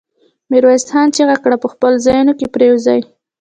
ميرويس خان چيغه کړه! په خپلو ځايونو کې پرېوځي.